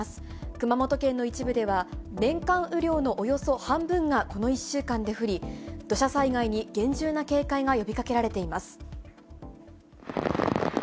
熊本県の一部では、年間雨量のおよそ半分が、この１週間で降り、土砂災害に厳重な警戒が呼びかけられています。